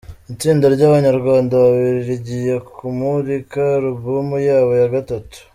Itsinda ryabanyarwanda babiri rigiye kumurika Alubumu yabo ya gatatu